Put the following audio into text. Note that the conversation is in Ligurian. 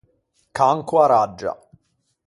Can co-a raggia.